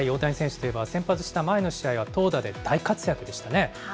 大谷選手といえば、先発した前の試合は投打で大活躍でしたね。